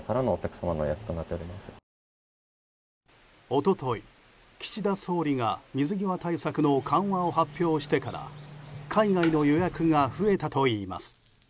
一昨日、岸田総理が水際対策の緩和を発表してから海外の予約が増えたといいます。